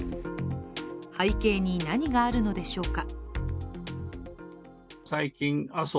背景に何があるのでしょうか。